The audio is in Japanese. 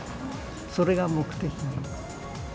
それが目的に。